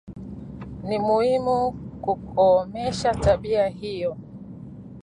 Ni muhimu kukomesha tabia hiyo